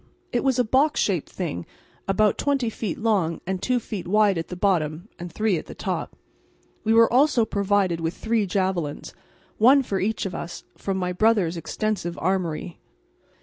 It was a box shaped thing, about twenty feet long and two feet wide at the bottom and three at the top. We were also provided with three javelins, one for each of us, from my brother's extensive armoury.